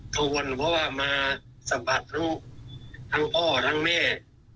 ทางบนเพราะว่ามาสัมผัสลูกทั้งพ่อทั้งแม่